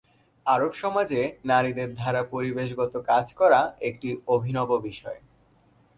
আরব সমাজে নারীদের দ্বারা পরিবেশগত কাজ করা একটি অভিনব বিষয়।